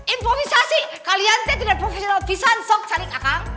improvisasi kalian teng tidak profesional pesan sokak calik akan